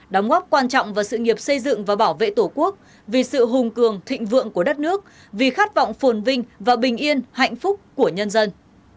đóng góp quan trọng vào sự nghiệp xây dựng và bảo vệ tổ quốc vì sự hùng cường thịnh vượng của đất nước vì khát vọng phồn vinh và bình yên hạnh phúc của nhân dân